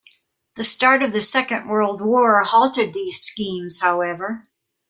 The start of the Second World War halted these schemes, however.